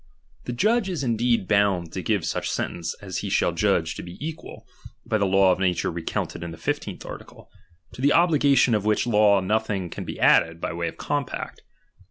The judge is indeed bound to give such sentence as he shall jadge to be equal, by the law of nature recounted in the 15th article: to the obligation of which law nothing can be added by way of compact.